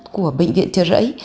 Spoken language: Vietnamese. của bệnh viện chợ giấy